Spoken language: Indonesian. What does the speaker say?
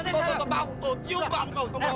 tuh tuh tuh cium bang kau semua